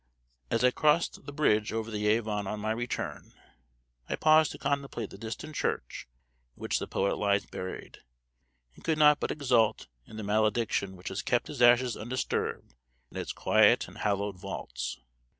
As I crossed the bridge over the Avon on my return, I paused to contemplate the distant church in which the poet lies buried, and could not but exult in the malediction which has kept his ashes undisturbed in its quiet and hallowed vaults.